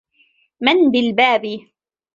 من بالباب؟